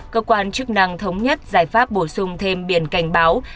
cơ quan chức năng thống nhất giải pháp bổ sung thêm biển cảnh báo